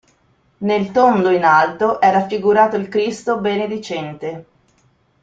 Nel tondo in alto è raffigurato il Cristo benedicente.